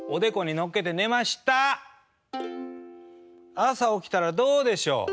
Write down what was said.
朝起きたらどうでしょう。